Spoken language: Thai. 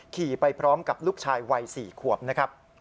ขี่ไปพร้อมกับลูกชายวัย๔ขวบนะครับ